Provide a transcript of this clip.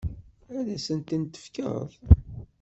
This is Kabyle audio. Ad asen-tent-tefkeḍ?